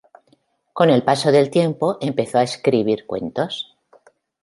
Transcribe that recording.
Con el paso del tiempo, empezó a escribir cuentos.